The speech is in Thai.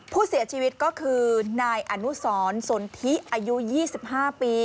ผู้เสียชีวิตก็คือนายอนุสรสนทิอายุ๒๕ปี